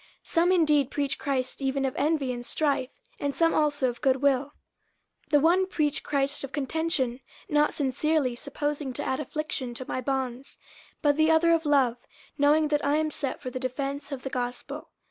50:001:015 Some indeed preach Christ even of envy and strife; and some also of good will: 50:001:016 The one preach Christ of contention, not sincerely, supposing to add affliction to my bonds: 50:001:017 But the other of love, knowing that I am set for the defence of the gospel.